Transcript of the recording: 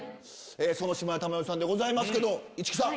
島田珠代さんでございますけど市來さん。